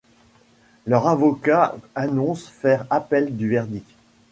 Leurs avocats annoncent faire appel du verdict.